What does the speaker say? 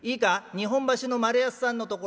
日本橋の丸安さんのところだ。